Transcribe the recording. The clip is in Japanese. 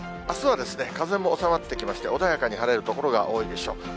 あすは風も収まってきまして、穏やかに晴れる所が多いでしょう。